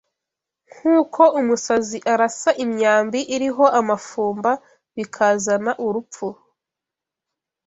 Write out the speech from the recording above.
Nk’uko umusazi arasa imyambi iriho amafumba bikazana urupfu